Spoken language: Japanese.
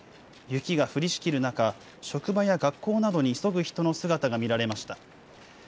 雪が降りしきる中、職場や学校などに急ぐ人の姿が見られました。